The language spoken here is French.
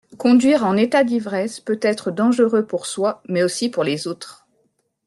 Conduire en état d’ivresse peut être dangereux pour soi mais aussi pour les autres.